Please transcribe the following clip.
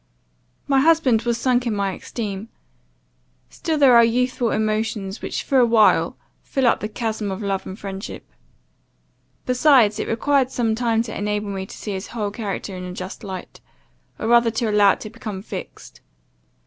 My husband was sunk in my esteem; still there are youthful emotions, which, for a while, fill up the chasm of love and friendship. Besides, it required some time to enable me to see his whole character in a just light, or rather to allow it to become fixed.